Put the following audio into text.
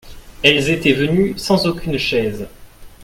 Elles étaient venues sans aucune chaise.